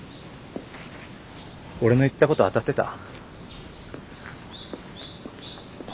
俺の言ったこと当たってた？